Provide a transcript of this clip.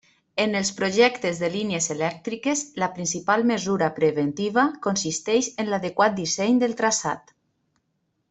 En els projectes de línies elèctriques, la principal mesura preventiva consisteix en l'adequat disseny del traçat.